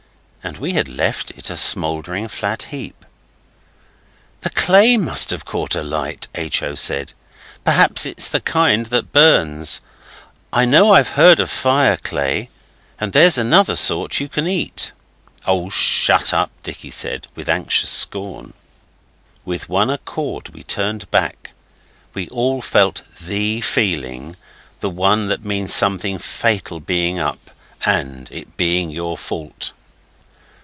And we had left it,a smouldering flat heap. 'The clay must have caught alight,' H. O. said. 'Perhaps it's the kind that burns. I know I've heard of fireclay. And there's another sort you can eat.' 'Oh, shut up!' Dicky said with anxious scorn. With one accord we turned back. We all felt THE feeling the one that means something fatal being up and it being your fault.